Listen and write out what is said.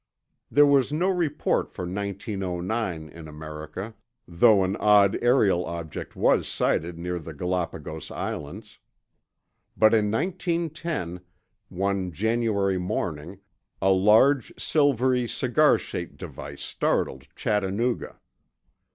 There was no report for 1909 in America, though an odd aerial object was sighted near the Galapagos Islands. But in 1910, one January morning, a large silvery cigar shaped device startled Chattanooga.